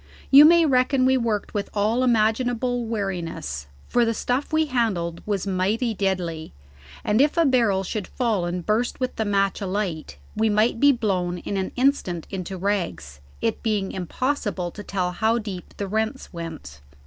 You may reckon we worked with all imaginable wariness, for the stuff we handled was mighty deadly, and if a barrel should fall and burst with the match alight, we might be blown in an instant into rags, it being impossible to tell how deep the rents went.